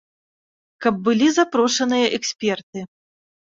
Каб былі запрошаныя эксперты.